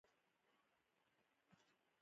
اسمان نه اوري چې ورېځې ترې جوړې شي.